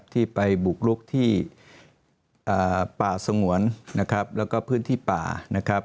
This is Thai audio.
ที่ไปบุกรุกที่ป่าสงวนแล้วก็พื้นที่ป่า